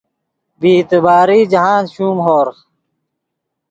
بی اعتباری جاہند شوم ہورغ